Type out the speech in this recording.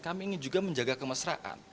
kami juga ingin menjaga kemesraan